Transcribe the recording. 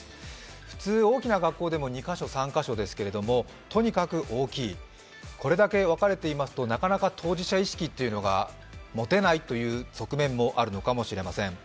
普通大きな学校でも２カ所、３カ所ですけれども、とにかく大きい、これだけ分かれていますとなかなか当事者意識というのが持てないという側面もあるのかもしれません。